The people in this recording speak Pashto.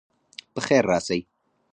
په خیر راسئ.